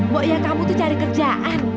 bok ya kamu tuh cari kerjaan